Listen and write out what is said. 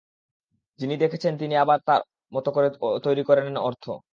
যিনি দেখছেন তিনি আবার তাঁর মতো করে তৈরি করে নেন অর্থ।